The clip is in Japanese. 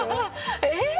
えっ？